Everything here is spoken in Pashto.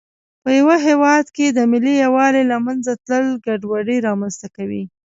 په یوه هېواد کې د ملي یووالي له منځه تلل ګډوډي رامنځته کوي.